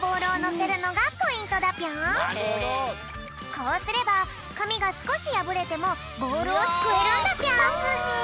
こうすればかみがすこしやぶれてもボールをすくえるんだぴょん！